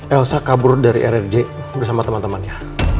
elsa kabur dari rrj bersama teman temannya